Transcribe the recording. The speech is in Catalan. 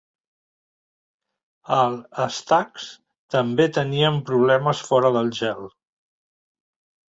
El Stags també tenien problemes fora del gel.